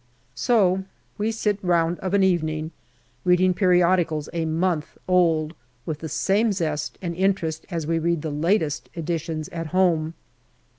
So we sit round of an evening reading periodicals a month old with the same zest and interest as we read the latest editions at home.